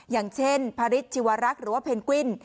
อย่างเช่นพระฤทธิวรักษ์หรือว่าเพนกวิน